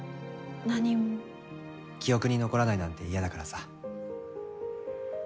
記憶に残らないなんて嫌だからさ。